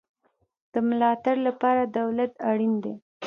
د ملاتړ لپاره دولت اړین دی